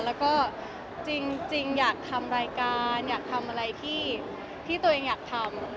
แล้วก็จริงอยากทำรายการอยากทำอะไรที่ตัวเองอยากทำ